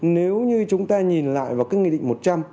nếu như chúng ta nhìn lại vào cái nghị định một trăm linh